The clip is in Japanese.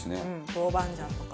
豆板醤とか。